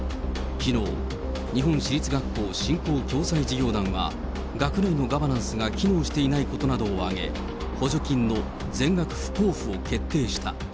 きのう、日本私立学校振興・共済事業団は、学内のガバナンスが機能していないことなどを挙げ、補助金の全額不交付を決定した。